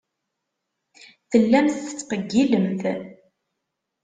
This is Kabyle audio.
Tellamt tettqeyyilem.